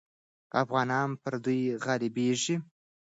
افغانان پر دوی غالبېږي.